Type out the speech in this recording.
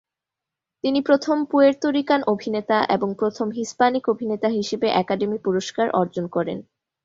তিনি প্রথম Puerto Rican অভিনেতা এবং প্রথম হিস্পানিক অভিনেতা হিসেবে একাডেমি পুরস্কার অর্জন করেন।